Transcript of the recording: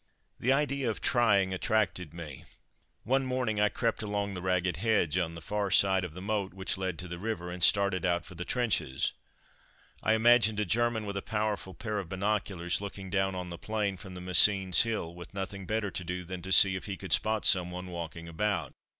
The idea of trying attracted me. One morning I crept along the ragged hedge, on the far side of the moat which led to the river, and started out for the trenches. I imagined a German with a powerful pair of binoculars looking down on the plain from the Messines Hill, with nothing better to do than to see if he could spot some one walking about.